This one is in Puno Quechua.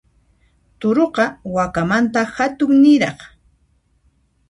Turuqa, wakamanta hatunniraq.